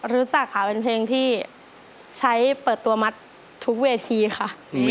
รู้จักค่ะเป็นเพลงที่ใช้เปิดตัวมัดทุกเวทีค่ะ